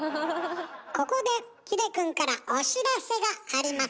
ここで秀くんからお知らせがあります。